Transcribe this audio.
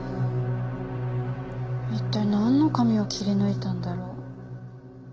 一体なんの紙を切り抜いたんだろう？